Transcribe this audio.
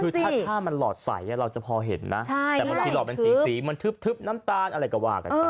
คือถ้ามันหลอดใสเราจะพอเห็นนะแต่บางทีหลอดเป็นสีมันทึบน้ำตาลอะไรก็ว่ากันไป